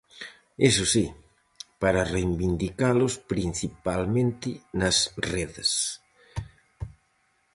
Iso si, para reivindicalos principalmente nas redes.